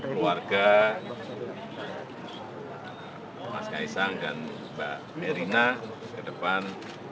keluarga mas kaisang dan mbak merina ke depan